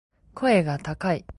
声が高い